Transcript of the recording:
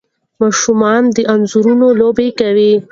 ماشومان د انځورونو لوبه کوي.